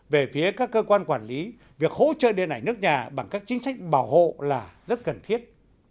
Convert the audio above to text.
về phía các cơ quan quản lý việc hỗ trợ điện ảnh nước nhà bằng các chính sách bảo hộ là rất cần thiết